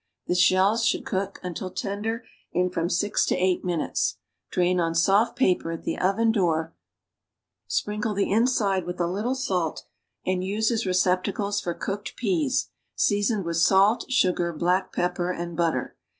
The shells should cook until tender in from six to eight minutes. Drain on soft paper at the oven door; sprinkle the inside with a little salt and use as receptacles for cooked peas, seasoned with salt, sugar, black pepper and butter.